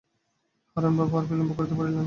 হারানবাবু আর বিলম্ব করিতে পারিলেন না।